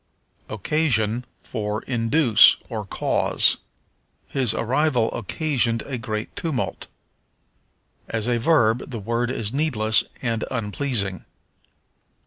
Occasion for Induce, or Cause. "His arrival occasioned a great tumult." As a verb, the word is needless and unpleasing.